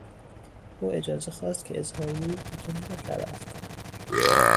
او اجازه خواست که اظهاریهی کوتاهی را قرائت کند.